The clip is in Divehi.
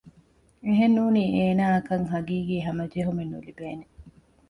އެހެން ނޫނީ އޭނާއަކަށް ޙަޤީޤީ ހަމަޖެހުމެއް ނުލިބޭނެ